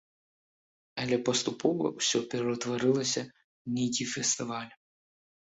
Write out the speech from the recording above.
Але паступова ўсё пераўтварылася ў нейкі фестываль.